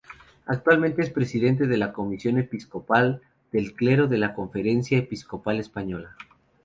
Actualmente es presidente de la Comisión Episcopal del Clero de la Conferencia Episcopal Española.